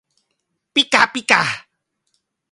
ปิกะปิกะ